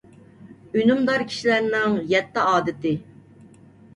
ئۈنۈمدار كىشىلەرنىڭ يەتتە ئادىتى.